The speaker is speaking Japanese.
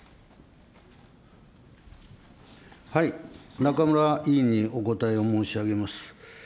中村委員にお答えをいたします。